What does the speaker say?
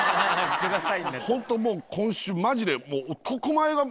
ホントもう今週マジで。